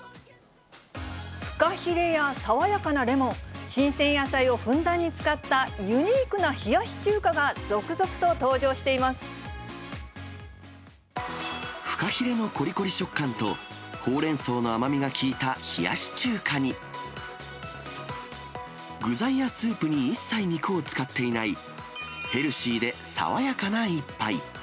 フカヒレや爽やかなレモン、新鮮野菜をふんだんに使ったユニークな冷やし中華が続々と登場しフカヒレのこりこり食感と、ほうれんそうの甘みがきいた冷やし中華に、具材やスープに一切肉を使っていない、ヘルシーで爽やかな一杯。